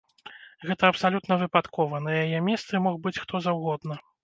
Гэта абсалютна выпадкова, на яе месцы мог быць хто заўгодна.